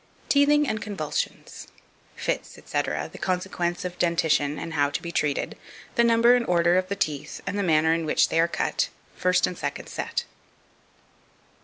TEETHING AND CONVULSIONS. Fits, &c., the consequence of Dentition, and how to be treated. The number and order of the Teeth, and manner in which they are cut. First and Second Set.